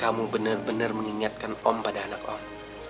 kamu bener bener mengingatkan om pada anak om